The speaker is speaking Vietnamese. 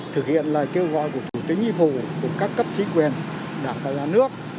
thực hiện là kêu gọi của thủ tướng nhi phủ của các cấp chính quyền đảng và nhà nước